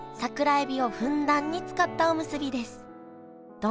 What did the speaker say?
えび。